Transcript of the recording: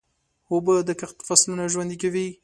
اوبه د کښت فصلونه ژوندي کوي.